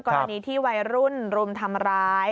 กรณีที่วัยรุ่นรุมทำร้าย